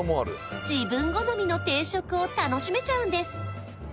自分好みの定食を楽しめちゃうんです